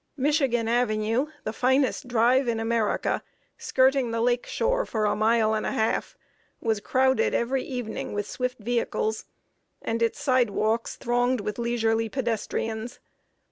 Michigan Avenue, the finest drive in America, skirting the lake shore for a mile and a half, was crowded every evening with swift vehicles, and its sidewalks thronged with leisurely pedestrians.